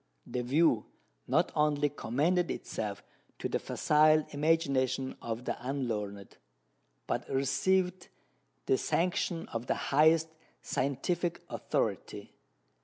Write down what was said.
The view not only commended itself to the facile imagination of the unlearned, but received the sanction of the highest scientific authority.